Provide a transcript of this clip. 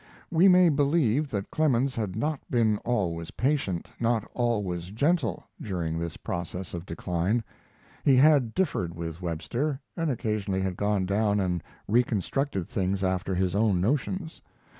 We may believe that Clemens had not been always patient, not always gentle, during this process of decline. He had differed with Webster, and occasionally had gone down and reconstructed things after his own notions.